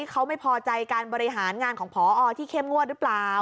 เขาไม่พอใจการบริหารงานของพอที่เข้มงวดหรือเปล่า